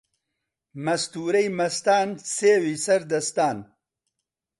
مەستوورەی مەستان سێوی سەر دەستان